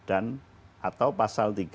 atau pasal tiga